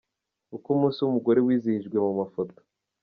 Uko umunsi w’Umugore wizihijwe mu mafoto.